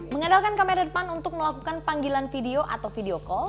mengandalkan kamera depan untuk melakukan panggilan video atau video call